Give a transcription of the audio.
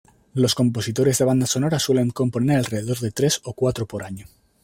Los compositores de bandas sonoras suelen componer alrededor de tres o cuatro por año.